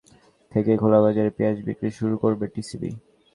এদিকে সেপ্টেম্বরের দ্বিতীয় সপ্তাহ থেকে খোলাবাজারে পেঁয়াজ বিক্রি শুরু করবে টিসিবি।